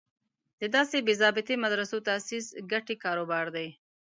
د داسې بې ضابطې مدرسو تاسیس ګټې کار و بار دی.